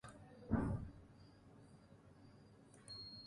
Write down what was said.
Salman Katrina big باس میں ایک ساتھ